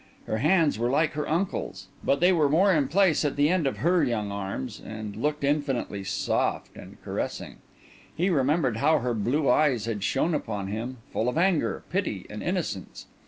Her hands were like her uncle's; but they were more in place at the end of her young arms, and looked infinitely soft and caressing. He remembered how her blue eyes had shone upon him, full of anger, pity, and innocence.